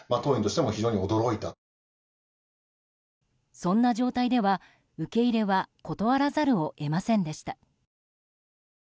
そんな状態では、受け入れは断らざるを得ませんでした。